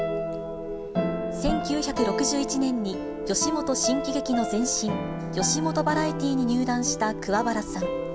１９６１年に吉本新喜劇の前身、吉本ヴァラエティに入団した桑原さん。